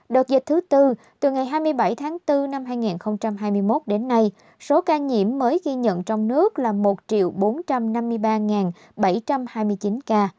đợt dịch thứ tư từ ngày hai mươi bảy tháng bốn năm hai nghìn hai mươi một đến nay số ca nhiễm mới ghi nhận trong nước là một bốn trăm năm mươi ba bảy trăm hai mươi chín ca